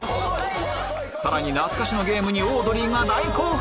さらに懐かしのゲームにオードリーが大興奮！